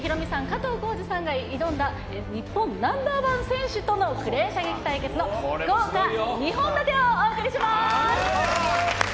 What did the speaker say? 加藤浩次さんが挑んだ日本ナンバーワン選手とのクレー射撃対決の豪華２本立てをお送りします。